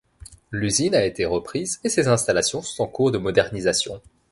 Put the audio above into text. L'usine a été reprise et ses installations sont en cours de modernisation.